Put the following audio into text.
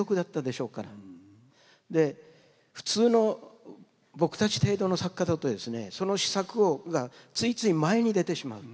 で普通の僕たち程度の作家だとですねその思索がついつい前に出てしまう。